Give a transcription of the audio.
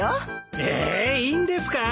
ええいいんですか？